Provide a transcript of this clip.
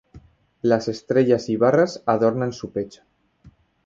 Las Estrellas y barras adornan su pecho.